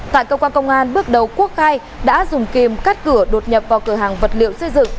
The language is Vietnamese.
tại cơ quan công an bước đầu quốc khai đã dùng kim cắt cửa đột nhập vào cửa hàng vật liệu xây dựng